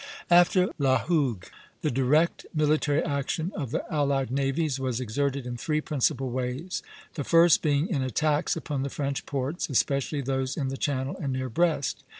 After La Hougue, the direct military action of the allied navies was exerted in three principal ways, the first being in attacks upon the French ports, especially those in the Channel and near Brest.